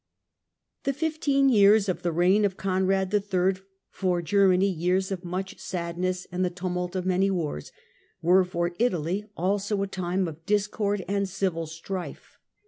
The fifteen years of the reign of Conrad III., for Ger Affairs of many years of " much sadness and the tumult of many *^^ wars," were for Italy also a time of discord and civil strife.